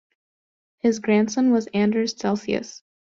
His grandson was Anders Celsius.